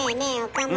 岡村。